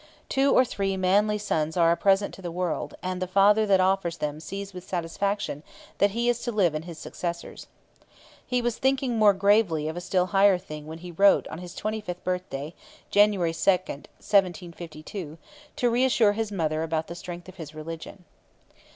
Two or three manly sons are a present to the world, and the father that offers them sees with satisfaction that he is to live in his successors.' He was thinking more gravely of a still higher thing when he wrote on his twenty fifth birthday, January 2, 1752, to reassure his mother about the strength of his religion.